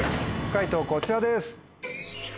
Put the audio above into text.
解答こちらです。